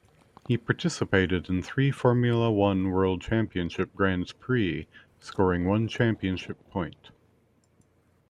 He participated in three Formula One World Championship Grands Prix, scoring one championship point.